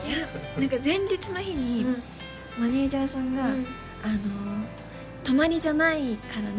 何か前日の日にマネージャーさんが「泊まりじゃないからね」